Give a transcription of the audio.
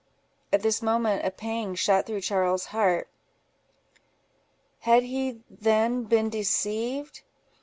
At this moment a pang shot through Charles's heart—"Had he then been deceived?